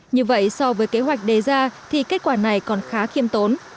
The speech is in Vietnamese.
như vậy so với kế hoạch đề ra thì kết quả này còn khá khiêm tốn